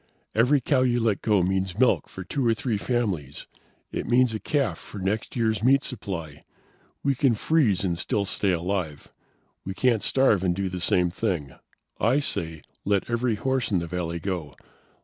"Every cow you let go means milk for two or three families. It means a calf for next year's meat supply. We can freeze and still stay alive. We can't starve and do the same thing. I say, let every horse in the valley go.